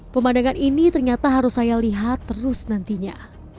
pemandangan ini ternyata harus saya lihat terus nantinya